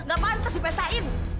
nggak pantas dipestain